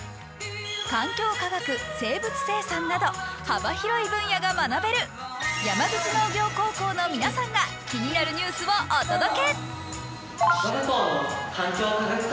環境科学、生物生産など幅広い分野が学べる山口農業高校の皆さんが気になるニュースをお届け。